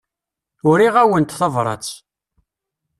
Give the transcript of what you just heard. Uriɣ-awent tabrat.